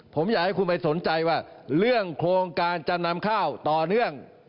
ผมอยากให้คุณไปสนใจว่าเรื่องโครงการจำนำข้าวต่อเนื่อง